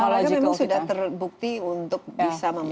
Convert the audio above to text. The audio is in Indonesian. dan olahraga memang sudah terbukti untuk bisa membantu ya